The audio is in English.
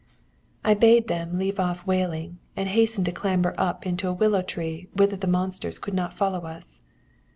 "I bade them leave off wailing, and hasten to clamber up into a willow tree, whither the monsters could not follow us.